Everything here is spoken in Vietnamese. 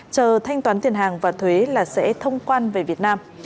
chờ thanh toán tiền hàng và thuế là sẽ thông quan về việt nam